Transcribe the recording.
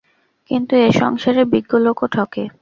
কিন্তু এ সংসারে বিজ্ঞ লোকও ঠকে।